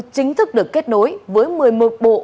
chính thức được kết nối với một mươi một bộ